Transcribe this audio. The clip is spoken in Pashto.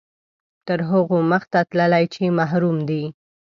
تر هغو مخته تللي چې محروم دي.